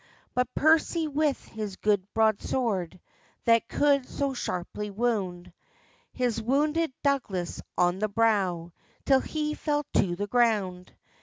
But Percy with his good broad sword, That could so sharply wound, Has wounded Douglas on the brow, Till he fell to the ground.